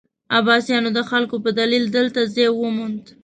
عباسیانو د خلکو په دلیل دلته ځای وموند.